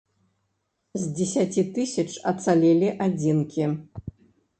З дзесяці тысяч ацалелі адзінкі.